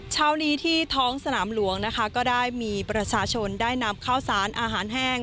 เช้านี้ที่ท้องสนามหลวงนะคะก็ได้มีประชาชนได้นำข้าวสารอาหารแห้ง